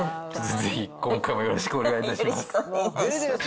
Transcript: ぜひ今回もよろしくお願いします。